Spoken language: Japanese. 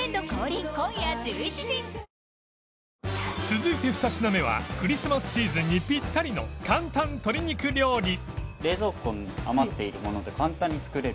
続いて２品目はクリスマスシーズンにピッタリの簡単鶏肉料理